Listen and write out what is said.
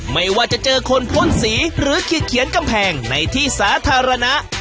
ไม่ว่าจะเจอคนพ่นสีหรือขีดเขียนกำแพงในที่สาธารณะ